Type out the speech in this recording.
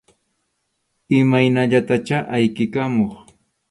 Imaynallatachá ayqikamuq.